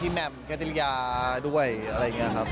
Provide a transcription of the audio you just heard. แหม่มกติริยาด้วยอะไรอย่างนี้ครับ